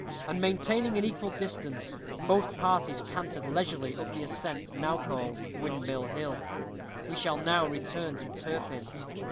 And maintaining an equal distance, both parties cantered leisurely up the ascent now called Windmill Hill. We shall now return to Turpin.